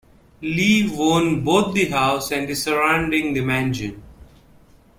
Lee won both the house and the surrounding the mansion.